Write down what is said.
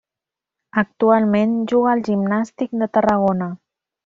Actualment juga al Gimnàstic de Tarragona.